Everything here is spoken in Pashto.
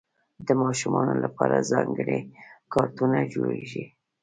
د ماشومانو لپاره ځانګړي کارتونونه جوړېږي.